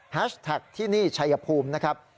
แท็กที่นี่ชัยภูมินะครับ